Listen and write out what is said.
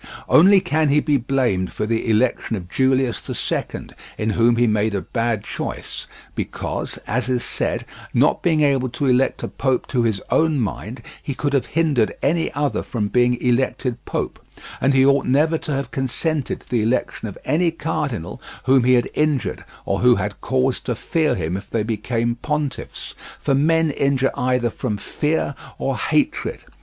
Only can he be blamed for the election of Julius the Second, in whom he made a bad choice, because, as is said, not being able to elect a Pope to his own mind, he could have hindered any other from being elected Pope; and he ought never to have consented to the election of any cardinal whom he had injured or who had cause to fear him if they became pontiffs. For men injure either from fear or hatred.